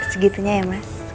segitunya ya mas